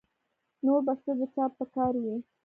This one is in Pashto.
نور به څه د چا په کار وي